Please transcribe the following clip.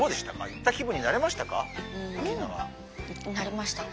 行った気分になれましたか？